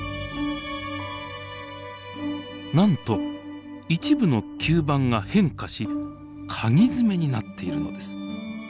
なんと一部の吸盤が変化しかぎ爪になっているのです。